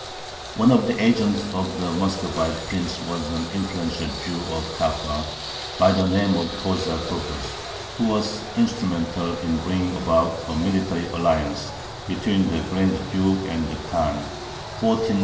One of the agents of the Muscovite Prince was an influential Jew of Kaffa, by the name of Khoza Kokos, who was instrumental in bringing about a military alliance between the Grand Duke and the Khan (1472 1475).